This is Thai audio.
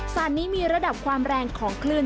นี้มีระดับความแรงของคลื่น